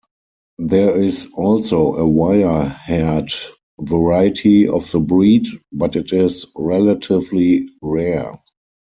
There is also a wire-haired variety of the breed, but it is relatively rare.